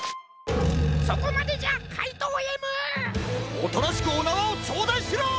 おとなしくおなわをちょうだいしろ！